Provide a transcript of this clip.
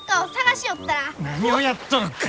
何をやっとるか！